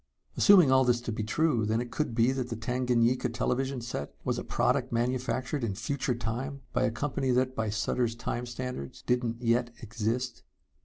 Assuming all this to be true, then it could be that the Tanganyika television set was a product manufactured in Future Time by a company that, by Sutter's Time standards, didn't yet exist.